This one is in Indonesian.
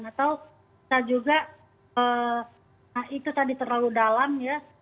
atau bisa juga nah itu tadi terlalu dalam ya